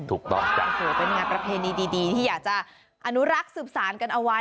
ถูกต้องกันเป็นประเภทดีที่อยากจะอนุรักษ์สืบสารกันเอาไว้